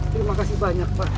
terima kasih banyak pak